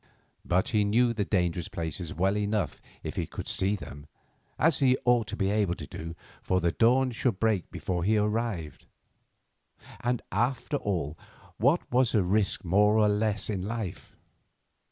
But he knew the dangerous places well enough if he could see them, as he ought to be able to do, for the dawn should break before he arrived. And, after all, what was a risk more or less in life?